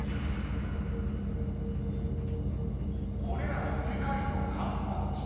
［これらの世界の観光地